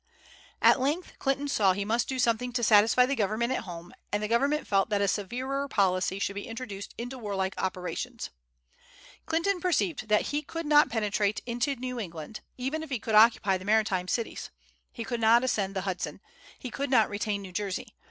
At length Clinton saw he must do something to satisfy the government at home, and the government felt that a severer policy should be introduced into warlike operations. Clinton perceived that he could not penetrate into New England, even if he could occupy the maritime cities. He could not ascend the Hudson. He could not retain New Jersey.